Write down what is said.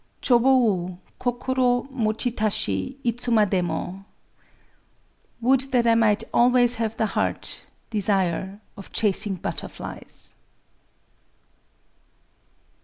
_] Chō wo oü Kokoro mochitashi Itsumadémo! [Would that I might always have the heart (desire) _of chasing butterflies!